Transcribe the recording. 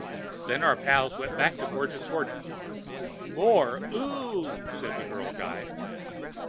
Then our pal went back to Gorgeous Gordon. "More ooh!" said the girl guide.